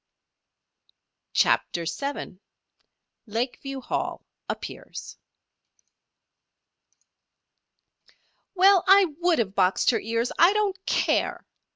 CHAPTER VII LAKEVIEW HALL APPEARS "Well! I would have boxed her ears, I don't care!"